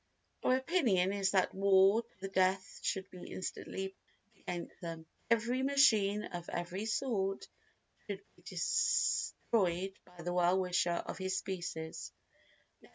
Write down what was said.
Our opinion is that war to the death should be instantly proclaimed against them. Every machine of every sort should be destroyed by the well wisher of his species.